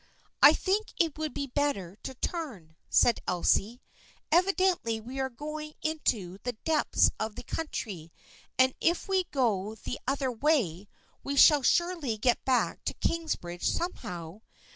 " I think it would be better to turn," said Elsie. " Evidently we are going into the depths of the country, and if we go the other way we shall surely get back to Kingsbridge somehow.